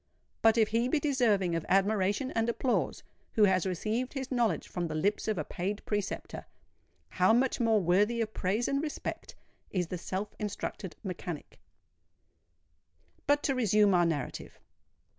But if he be deserving of admiration and applause, who has received his knowledge from the lips of a paid preceptor—how much more worthy of praise and respect is the self instructed mechanic! But to resume our narrative.